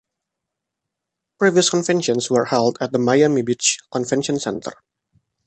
Previous conventions were held at the Miami Beach Convention Center.